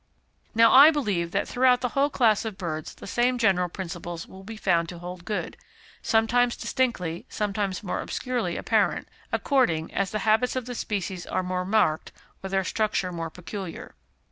Now I believe that throughout the whole class of birds the same general principles will be found to hold good, sometimes distinctly, sometimes more obscurely apparent, according as the habits of the species are more marked, or their structure more peculiar.